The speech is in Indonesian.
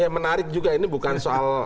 yang menarik juga ini bukan soal